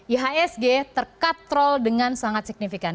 ihsg terkatrol dengan sangat signifikan